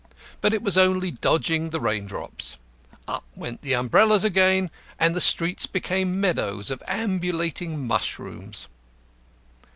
But it was only dodging the raindrops; up went the umbrellas again, and the streets became meadows of ambulating mushrooms.